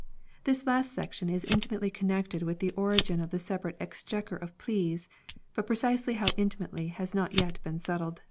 This last section is intimately connected with the origin of the separate Exchequer of Pleas ; but pre cisely how intimately has not yet been settled.